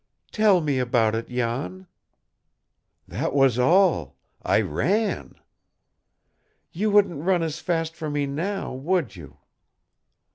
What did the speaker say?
"Tell me about it, Jan." "That was all I ran." "You wouldn't run as fast for me now, would you?"